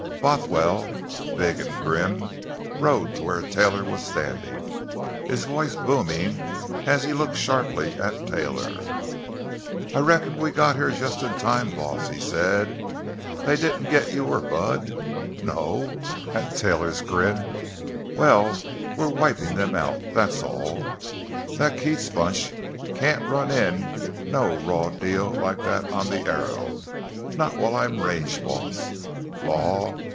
Bothwell, big and grim, rode to where Taylor was standing, his voice booming as he looked sharply at Taylor. "I reckon we got here just in time, boss!" he said. "They didn't git you or Bud? No?" at Taylor's grin. "Well, we're wipin' them out—that's all! That Keats bunch can't run in no raw deal like that on the Arrow—not while I'm range boss. Law?